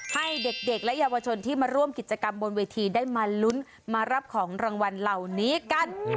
ให้เด็กและเยาวชนที่มาร่วมกิจกรรมบนเวทีได้มาลุ้นมารับของรางวัลเหล่านี้กัน